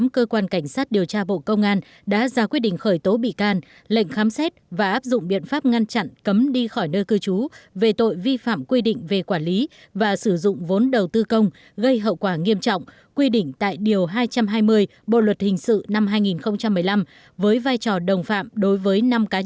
cơ quan cảnh sát điều tra bộ công an đã khởi tố thêm năm bị can là đồng phạm trong vụ án vi phạm trong vụ án vi phạm trong vụ án vi phạm trong vụ án vi phạm trong vụ án